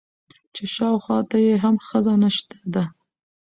چې شاوخوا ته يې هم ښځه نشته ده.